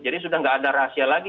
jadi sudah nggak ada rahasia lagi